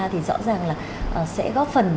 thì rõ ràng là sẽ góp phần